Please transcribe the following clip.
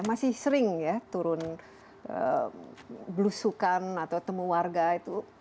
masih sering ya turun belusukan atau temu warga itu